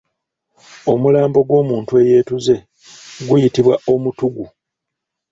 Omulambo gw’omuntu eyeetuze guyitibwa Omutuggu.